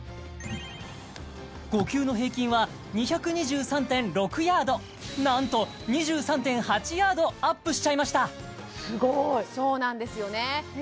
５球の平均は２２３．６ヤードなんと２３．８ヤードアップしちゃいましたすごいそうなんですよね